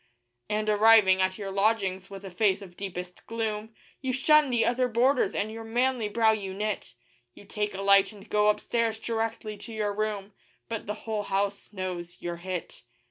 And, arriving at your lodgings, with a face of deepest gloom, You shun the other boarders and your manly brow you knit; You take a light and go upstairs directly to your room But the whole house knows you're hit.